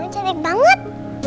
oh cantik banget